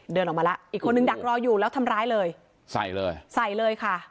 เดินออกมาแล้วอีกคนนึงดักรออยู่แล้วทำร้ายเลยใส่เลยใส่เลยค่ะ